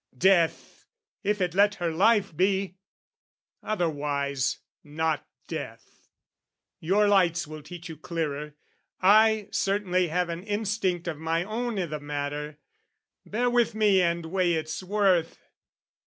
Death, if it let her life be: otherwise Not death, your lights will teach you clearer! I Certainly have an instinct of my own I' the matter: bear with me and weigh its worth!